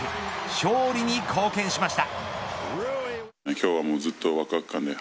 勝利に貢献しました。